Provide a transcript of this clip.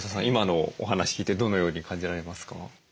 今のお話聞いてどのように感じられますか？